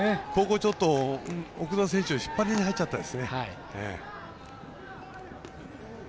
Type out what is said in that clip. ちょっと奥田選手は引っ張りに入っちゃったんですね。